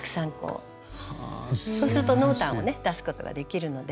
そうすると濃淡をね出すことができるので。